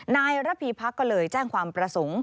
นายระพีพักก็เลยแจ้งความประสงค์